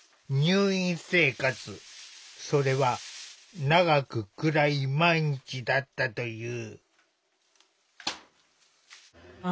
それは長く暗い毎日だったという。